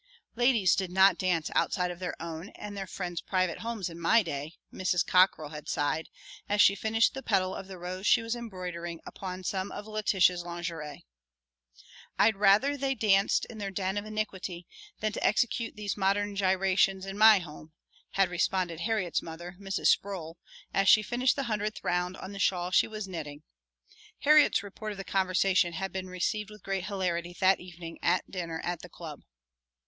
"Ladies did not dance outside of their own and their friends' private homes in my day," Mrs. Cockrell had sighed, as she finished the petal of the rose she was embroidering upon some of Letitia's lingerie. "I'd rather they danced in their den of iniquity than to execute these modern gyrations in my home," had responded Harriet's mother, Mrs. Sproul, as she finished the hundredth round on the shawl she was knitting. Harriet's report of the conversation had been received with great hilarity that evening at dinner at the Club.